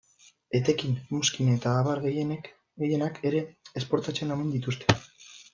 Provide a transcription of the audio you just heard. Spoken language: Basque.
Etekin, mozkin eta abar gehienak ere, esportatzen omen dituzte.